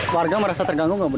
warga merasa terganggu